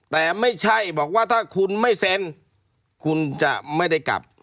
แต่ไม่ใช่บอกว่าถ้าคุณไม่เซ็นคุณจะไม่ได้กลับ